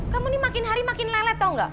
kamu ini makin hari makin lelet tau gak